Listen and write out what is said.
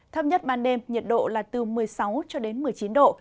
thấp nhất ban đêm nhiệt độ là từ một mươi sáu cho đến một mươi chín độ